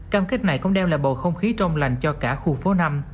cam kết này cũng đem lại bầu không khí trong lành cho cả khu phố năm